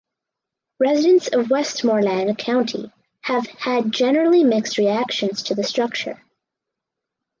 Residents of Westmoreland County have had generally mixed reactions to the structure.